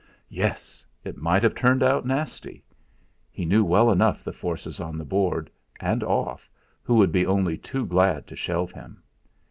Yes! It might have turned out nasty. He knew well enough the forces on the Board, and off, who would be only too glad to shelve him.